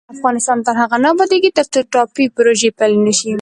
افغانستان تر هغو نه ابادیږي، ترڅو ټاپي پروژه پلې نشي.